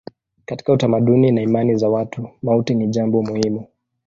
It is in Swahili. Katika utamaduni na imani za watu mauti ni jambo muhimu.